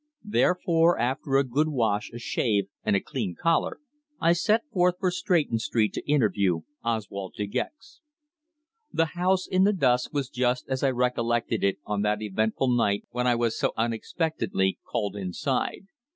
Therefore after a good wash, a shave, and a clean collar, I set forth for Stretton Street to interview Oswald De Gex. The house in the dusk was just as I recollected it on that eventful night when I was so unexpectedly called inside.